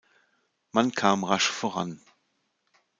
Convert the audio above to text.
Man kam rasch voran.